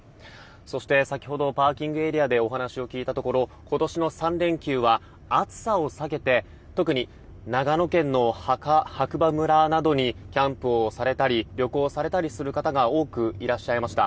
そして先ほどパーキングエリアでお話を聞いたところ今年の３連休は暑さを避けて特に長野県の白馬村などにキャンプをされたり旅行されたりする方が多くいらっしゃいました。